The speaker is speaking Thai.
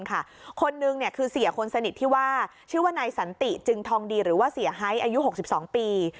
คนนึงคือเสียคนสนิทที่ว่าชื่อว่านายสันติจึงทองดีหรือว่าเสียไฮอายุ๖๒ปี